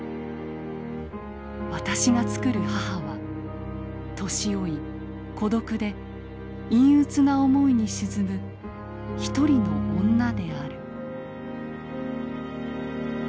私が作る母は年老い孤独で陰鬱な思いに沈むひとりの女である」。